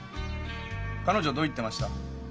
彼女どう言ってました？